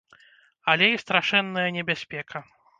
Але і страшэнная небяспека.